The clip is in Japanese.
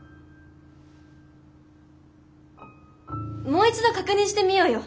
もう一度確認してみようよ。